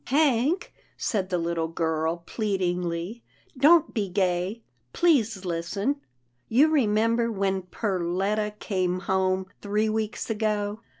" Hank," said the little girl, pleadingly, " don't be gay — please listen — you remember when Per letta came home three weeks ago?"